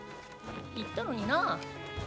言ったのになあ？